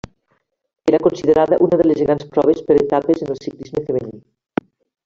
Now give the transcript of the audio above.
Era considerada una de les grans proves per etapes en el ciclisme femení.